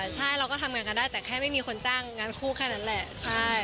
ใช่เราก็ทำงานกันได้แต่แค่ไม่มีคนจ้างงานคู่แค่นั้นแหละ